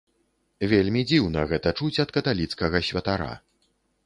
Вельмі дзіўна гэта чуць ад каталіцкага святара.